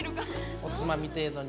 おつまみ程度にみんな。